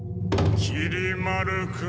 きり丸君。